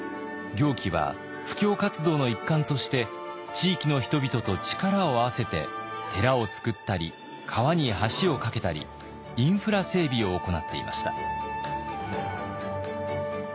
行基は布教活動の一環として地域の人々と力を合わせて寺をつくったり川に橋を架けたりインフラ整備を行っていました。